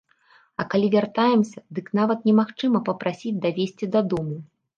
А калі вяртаемся, дык нават немагчыма папрасіць давезці дадому!